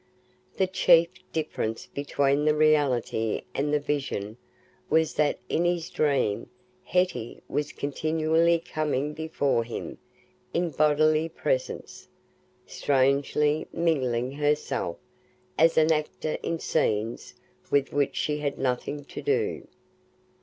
The chief difference between the reality and the vision was that in his dream Hetty was continually coming before him in bodily presence—strangely mingling herself as an actor in scenes with which she had nothing to do.